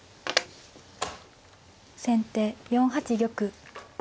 先手４八玉。